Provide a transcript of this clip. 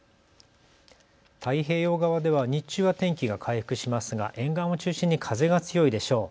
太平洋側では日中は天気が回復しますが沿岸を中心に風が強いでしょう。